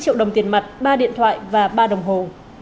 chín mươi triệu đồng tiền mặt ba điện thoại và ba đồng hồ